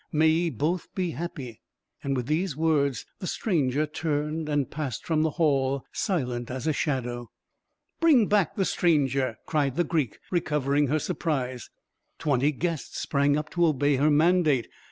May ye both be happy!" With these words, the stranger turned and passed from the hall silent as a shadow. "Bring back the stranger!" cried the Greek, recovering her surprise. Twenty guests sprang up to obey her mandate.